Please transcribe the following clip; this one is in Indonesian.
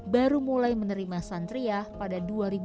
baru mulai menerima santriah pada dua ribu delapan belas